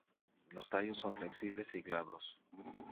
Los tallos son flexibles y glabros.